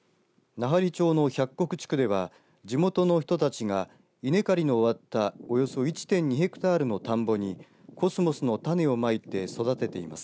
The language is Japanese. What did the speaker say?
奈半利町の百石地区では地元の人たちが稲刈りの終わったおよそ１．２ヘクタールの田んぼにコスモスの種をまいて育てています。